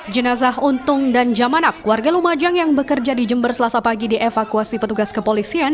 jenazah untung dan jamanak warga lumajang yang bekerja di jember selasa pagi dievakuasi petugas kepolisian